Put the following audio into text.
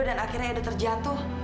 dan akhirnya edo terjatuh